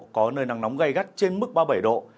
có nơi nắng nóng gây gắt trên mức ba mươi bảy độ